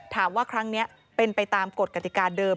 ถามว่าครั้งนี้เป็นไปตามกฎกติกาเดิม